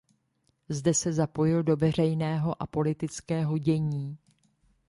Zde se zapojil do veřejného a politického dění.